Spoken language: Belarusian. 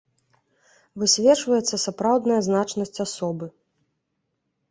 Высвечваецца сапраўдная значнасць асобы.